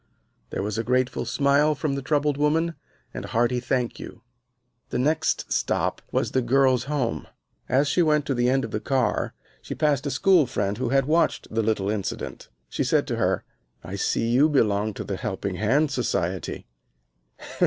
There was a grateful smile from the troubled woman and a hearty "Thank you." The next stop was the girl's home. As she went to the end of the car she passed a school friend who had watched the little incident. She said to her, "I see you belong to the helping hand society."